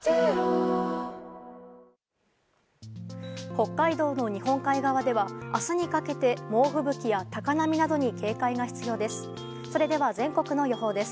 北海道の日本海側では明日にかけて猛吹雪や高波などに警戒が必要です。